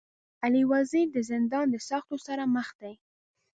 علي وزير د زندان د سختو سره مخ دی.